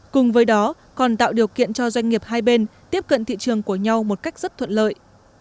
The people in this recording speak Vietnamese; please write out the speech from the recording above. cùng với đó còn tạo điều kiện cho doanh nghiệp hai bên tiếp cận thị trường của nhau một cách rất thuận lợi